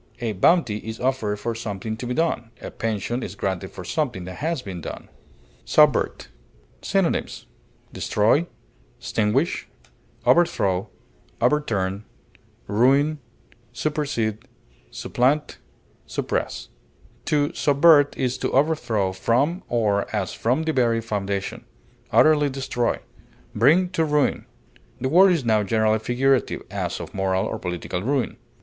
A bounty is offered for something to be done; a pension is granted for something that has been done. SUBVERT. Synonyms: destroy, overthrow, ruin, supplant, extinguish, overturn, supersede, suppress. To subvert is to overthrow from or as from the very foundation; utterly destroy; bring to ruin. The word is now generally figurative, as of moral or political ruin.